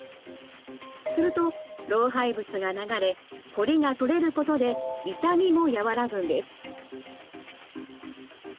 すると老廃物が流れこりが取れることで痛みも和らぐんです。